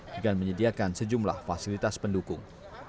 dengan menyediakan sejumlah fasilitas pendukung